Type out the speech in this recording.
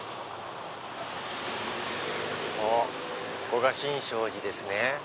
あっここが新勝寺ですね。